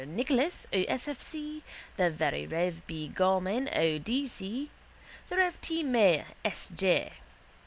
Fr. Nicholas, O. S. F. C.; the very rev. B. Gorman, O. D. C.; the rev. T. Maher, S. J.